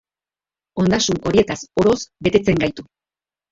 Ondasun horietaz oroz betetzen gaitu.